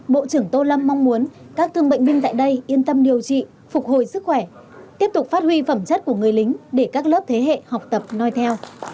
bộ trưởng tô lâm mong muốn các thương bệnh binh tại đây yên tâm điều trị phục hồi sức khỏe tiếp tục phát huy phẩm chất của người lính để các lớp thế hệ học tập nói theo